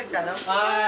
はい。